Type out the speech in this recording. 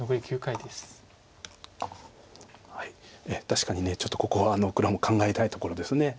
確かにちょっとここは黒も考えたいところです。